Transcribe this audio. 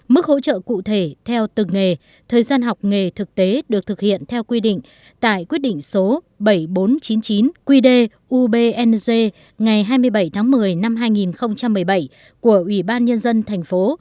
mức hỗ trợ cụ thể theo từng nghề thời gian học nghề thực tế được thực hiện theo quy định tại quyết định số bảy nghìn bốn trăm chín mươi chín qdubng ngày hai mươi bảy tháng một mươi năm hai nghìn một mươi bảy của ủy ban nhân dân thành phố